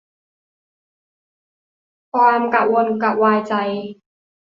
ความกระวนกระวายใจ